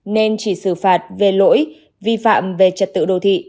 nên chỉ xử phạt về lỗi vi phạm về trật tự đô thị